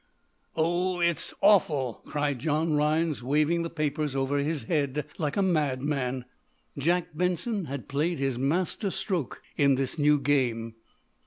"Oh, it's it's awful!" cried John Rhinds, waving the papers over his head like a madman. Jack Benson had played his master stroke in this new game.